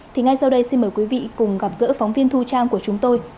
thì ngay sau đây xin mời quý vị cùng gặp gỡ phóng viên thu trang của chúng tôi